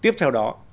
tiếp theo đó